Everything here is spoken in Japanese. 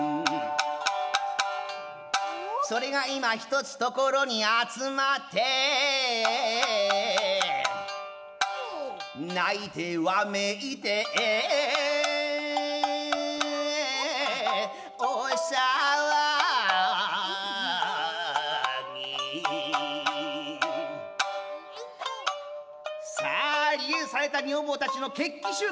「それが今ひとつところに集まって」「泣いてわめいて大騒ぎ」さあ離縁された女房たちの決起集会が始まった。